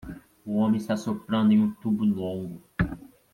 Um homem está soprando em um tubo longo